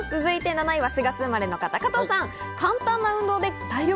７位は４月生まれの方、加藤さん。